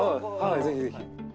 ぜひぜひ。